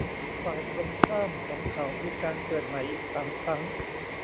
ฝ่ายตรงข้ามของเขามีการเกิดใหม่อีกสามครั้ง